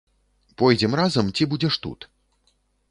Пойдзем разам ці будзеш тут?